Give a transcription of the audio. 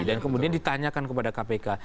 kemudian ditanyakan kepada kpk